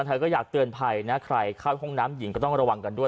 เธอก็อยากเตือนภัยนะใครเข้าห้องน้ำหญิงก็ต้องระวังกันด้วย